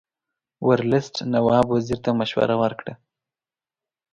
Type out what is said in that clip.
ورلسټ نواب وزیر ته مشوره ورکړه.